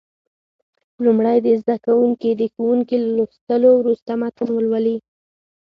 لومړی دې زده کوونکي د ښوونکي له لوستلو وروسته متن ولولي.